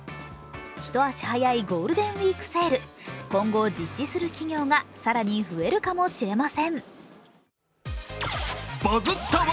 一足早いゴールデンウイークセール、今後実施する企業が更に増えるかもしれません。